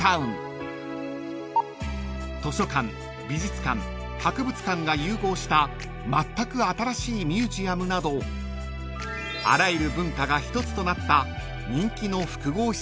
［図書館美術館博物館が融合したまったく新しいミュージアムなどあらゆる文化が一つとなった人気の複合施設なんです］